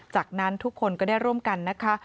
จากนั้นทุกคนก็ได้ร่วมกันนะคะ